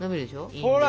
ほら！